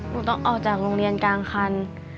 หนูต้องออกจากโรงเรียนกลางคัน